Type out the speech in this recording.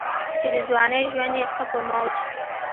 چې دَځوانۍ ژوند ئې ښۀ پۀ موج